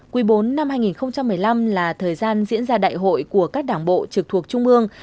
quý bốn năm hai nghìn một mươi năm là thời gian diễn ra đại hội của các đảng bộ trực thuộc trung ương